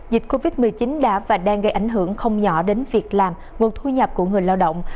dịch covid một mươi chín đã và đang gây ảnh hưởng không nhỏ đến việc làm nguồn thu nhập của người lao động